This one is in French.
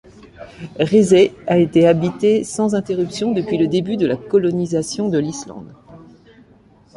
Hrísey a été habitée sans interruption depuis le début de la colonisation de l'Islande.